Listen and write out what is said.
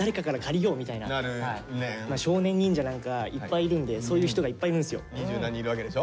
少年忍者なんかいっぱいいるんでそういう人がいっぱいいるんですよ。